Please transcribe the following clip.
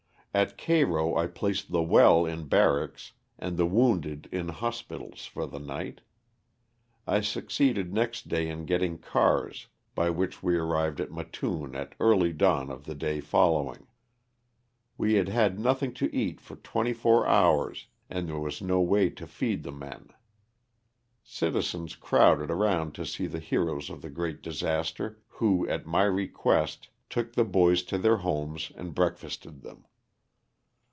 At Cairo I placed the well in barracks and the wounded in hospitals for the jiight. I succeeded next day in getting cars, by which we arrived at Mattoon at early dawn of the day following. We had had nothing to eat for twenty four hours, and there was no way to feed the men. Citizens crowded around to see the heroes of the great disaster, who, at my request, took the boys to their homes and breakfasted them.